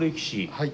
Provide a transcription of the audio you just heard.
はい。